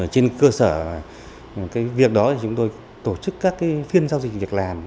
trên cơ sở việc đó chúng tôi tổ chức các phiên giao dịch việc làm